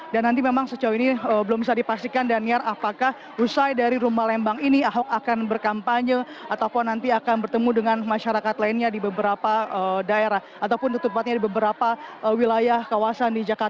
dan nanti memang sejauh ini belum bisa dipastikan daniel apakah rusai dari rumah lembang ini ahok akan berkampanye ataupun nanti akan bertemu dengan masyarakat lainnya di beberapa daerah ataupun tutupatnya di beberapa wilayah kawasan di jakarta